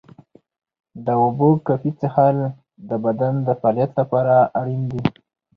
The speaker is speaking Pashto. د اوبو کافي څښل د بدن د فعالیت لپاره اړین دي.